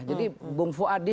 jadi bung fuadi